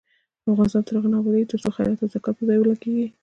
افغانستان تر هغو نه ابادیږي، ترڅو خیرات او زکات په ځای ولګیږي.